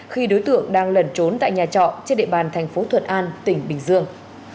khi đối tượng đang lần trốn tại nhà trọ trên địa bàn tp thuận an tỉnh bình dương